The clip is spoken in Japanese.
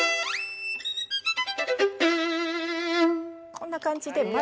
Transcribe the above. こんな感じで。